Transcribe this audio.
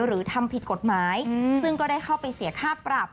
หรือทำผิดกฎหมายซึ่งก็ได้เข้าไปเสียค่าปรับ